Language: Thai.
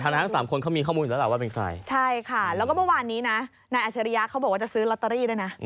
นายอาชริยะเขาบอกว่าจะซื้อลอตเตอรี่ด้วยนะ